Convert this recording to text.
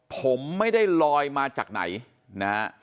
ผมไม่ได้ลอยมาจากไหน